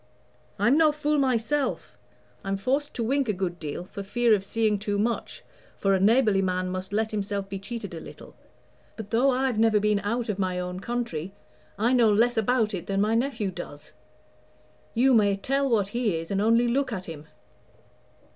I'm no fool myself; I'm forced to wink a good deal, for fear of seeing too much, for a neighborly man must let himself be cheated a little. But though I've never been out of my own country, I know less about it than my nephew does. You may tell what he is, and only look at him.